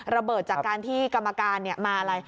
ระเบิดจากการที่กรรมการมาอะไร